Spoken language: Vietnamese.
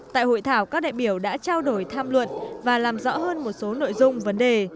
tại hội thảo các đại biểu đã trao đổi tham luận và làm rõ hơn một số nội dung vấn đề